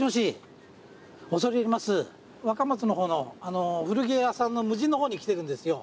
若松の方の古着屋さんの無人の方に来てるんですよ。